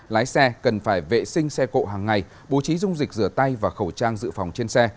lái xe cần phải vệ sinh xe cộ hàng ngày bố trí dung dịch rửa tay và khẩu trang dự phòng trên xe